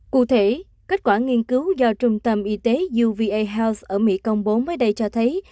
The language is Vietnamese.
cụ thể kết quả nghiên cứu do trung tâm y tế ở mỹ công bố mới đây cho thấy